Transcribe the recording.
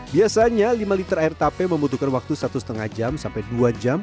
biasanya lima liter air tape membutuhkan waktu satu lima jam sampai dua jam